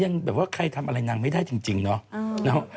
ยังแบบว่าใครทำอะไรนางไม่ได้จริงเนาะ